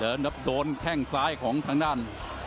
ครับโดนแข้งซ้ายของทางด้าน